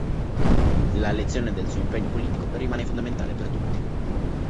La lezione del suo impegno politico, rimane fondamentale per tutti.